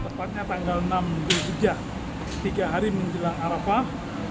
tepatnya tanggal enam juli hijah tiga hari menjelang arafah